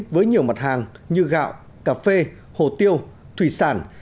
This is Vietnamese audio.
với nhiều mặt hàng như gạo cà phê hồ tiêu thủy sản